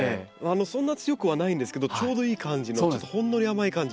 そんな強くはないんですけどちょうどいい感じのほんのり甘い感じ。